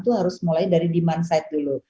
itu harus mulai dari demand side dulu